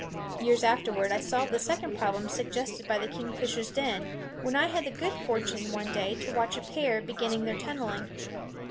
Years afterward I solved the second problem suggested by the kingfisher's den, when I had the good fortune, one day, to watch a pair beginning their tunneling.